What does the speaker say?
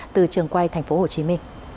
từ trường quay tp hcm